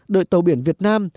đội tàu biển việt nam